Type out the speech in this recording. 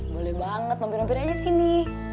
boleh banget mampir mampir aja sini